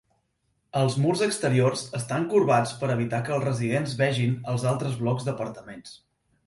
Els murs exteriors estan corbats per evitar que els residents vegin els altres blocs d'apartaments.